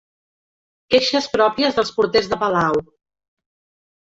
Queixes pròpies dels porters de palau.